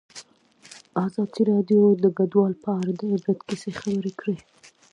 ازادي راډیو د کډوال په اړه د عبرت کیسې خبر کړي.